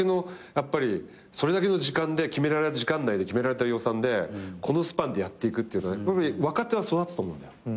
それだけの決められた時間内で決められた予算でこのスパンでやっていくっていうのは若手は育つと思うんだよ。